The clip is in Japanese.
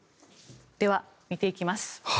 では、見ていきます。